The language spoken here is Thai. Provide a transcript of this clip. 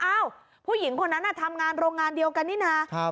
ผู้หญิงคนนั้นทำงานโรงงานเดียวกันนี่นะ